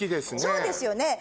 そうですよね。